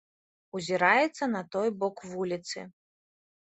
Узіраецца на той бок вуліцы.